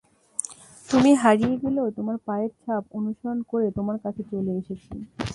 তুমি হারিয়ে গেলেও তোমার পায়ের ছাপ অনুসরণ করে তোমার কাছে চলে এসেছি।